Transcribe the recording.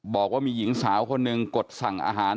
บอกว่ามีหญิงสาวคนหนึ่งกดสั่งอาหาร